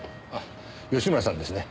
吉村さんですね？